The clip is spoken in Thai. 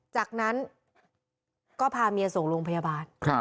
จากนั้นก็พาเมียส่งโรงพยาบาล